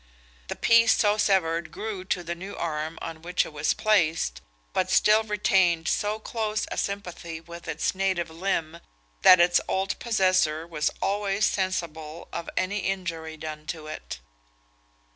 The piece so severed grew to the new arm on which it was placed; but still retained so close a sympathy with its native limb, that its old possessor was always sensible of any injury done to it.